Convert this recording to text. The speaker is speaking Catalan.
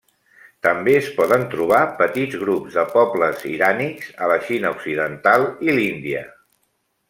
També es poden trobar petits grups de pobles irànics a la Xina occidental i l'Índia.